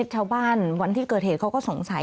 วันที่เกิดเหตุเขาก็สงสัย